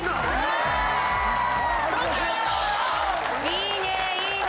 いいねいいね。